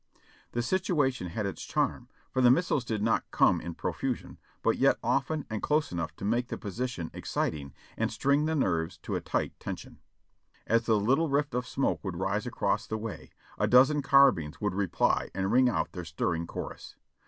The situ ation had its charm, for the missiles did not come in profusion, but yet often and close enough to make the position exciting and string the nerves to a tight tension. As the little rift of smoke would rise across the way, a dozen carbines would reply and ring out their stirring chorus.